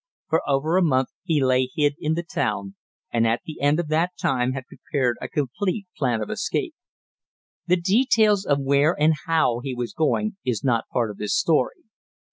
For over a month he lay hid in the town, and at the end of that time had prepared a complete plan of escape. The details of where and how he was going is not part of this story.